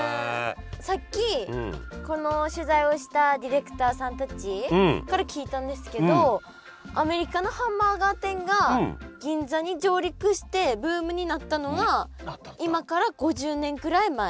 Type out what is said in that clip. さっきこの取材をしたディレクターさんたちから聞いたんですけどアメリカのハンバーガー店が銀座に上陸してブームになったのは今から５０年ぐらい前。